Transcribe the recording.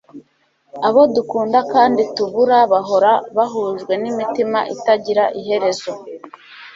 abo dukunda kandi tubura bahora bahujwe n'imitima itagira iherezo